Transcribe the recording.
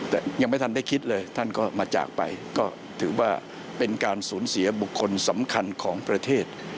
แต่ยังไม่ทันได้คิดเลยท่านก็มาจากไปก็ถือว่าเป็นการสูญเสียบุคคลสำคัญของประเทศ